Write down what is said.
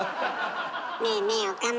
ねえねえ岡村。